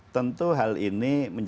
tentu hal ini